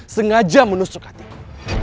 sengaja menusuk hatiku